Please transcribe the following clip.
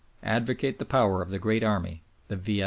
Advocate the power of the great army the V.